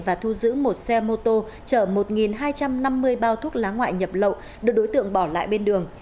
và thu giữ một xe mô tô chở một hai trăm năm mươi bao thuốc lá ngoại nhập lậu được đối tượng bỏ lại bên đường